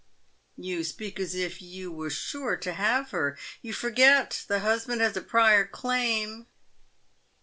" Tou speak as if you were sure to have her. Tou forget the hus band has a prior claim."